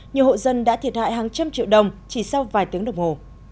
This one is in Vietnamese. nhiều hộ dân đã thiệt hại hàng trăm triệu đồng chỉ sau vài tiếng đồng hồ